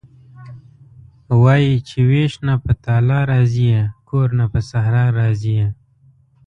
وايي چې وېش نه په تالا راضي یې کور نه په صحرا راضي یې..